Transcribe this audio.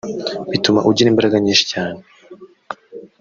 bituma ugira imbaraga nyinshi cyane